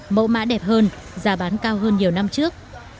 mẫu mã đẹp hơn giá bán cao hơn nhiều năm trước